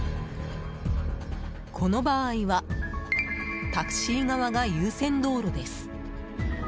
この場合はタクシー側が優先道路です。